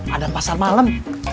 ada pasar malam